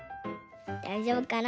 だいじょうぶかな？